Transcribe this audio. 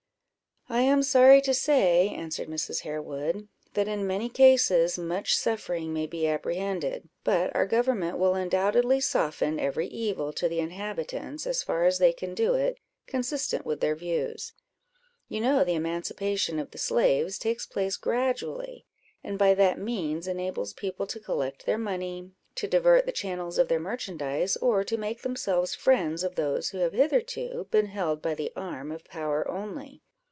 "I am sorry to say," answered Mrs. Harewood, "that in many cases much suffering may be apprehended; but our government will undoubtedly soften every evil to the inhabitants, as far as they can do it consistent with their views: you know the emancipation of the slaves takes place gradually, and by that means enables people to collect their money, to divert the channels of their merchandise, or to make themselves friends of those who have hitherto been held by the arm of power only.